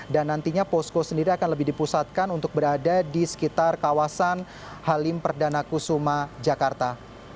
dan nantinya posko sendiri akan lebih dipusatkan untuk berada di sekitar kawasan halim perdana kusuma jakarta